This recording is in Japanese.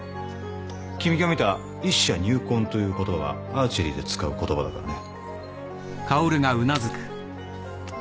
君が見た「一射入魂」という言葉はアーチェリーで使う言葉だからね。